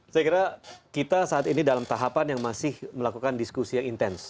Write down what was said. saya kira kita saat ini dalam tahapan yang masih melakukan diskusi yang intens